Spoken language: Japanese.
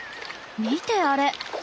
見てあれ。